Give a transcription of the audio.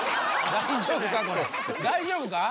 大丈夫か？